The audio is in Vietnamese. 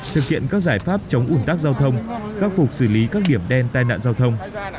thực hiện các giải pháp chống ủn tắc giao thông khắc phục xử lý các điểm đen tai nạn giao thông